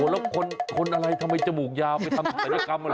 แล้วคนอะไรทำไมจมูกยาวไปทำฝนกรรม